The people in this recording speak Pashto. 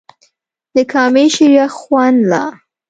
د کامې شریخ خوند لا